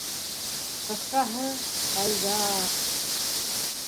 Ҡыҫҡаһы, тайга...